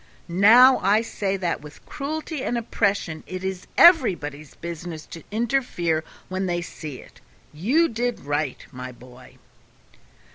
Now I say that with cruelty and oppression it is everybody's business to interfere when they see it; you did right, my boy."